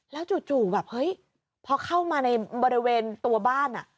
แล้วจู่แบบเฮ้ยพอเข้ามาในบริเวณตัวบ้าน